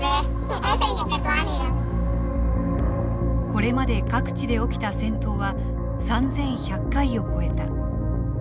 これまで各地で起きた戦闘は３，１００回を超えた。